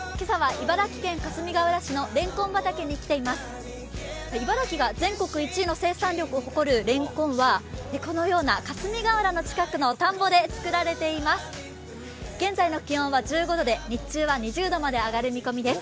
茨城は全国１位の生産量を誇るれんこんはこのような霞ヶ浦の近くの田んぼで作られています。